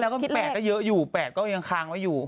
แล้วว่าแล้วก็๘ก็เยอะอยู่๘ก็ยังค้างไว้อยู่